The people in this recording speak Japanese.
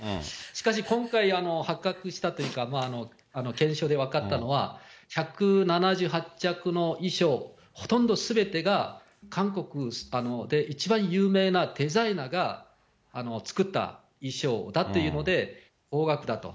しかし今回、発覚したというか、検証で分かったのは、１７８着の衣装、ほとんどすべてが韓国で一番有名なデザイナーが作った衣装だというので、高額だと。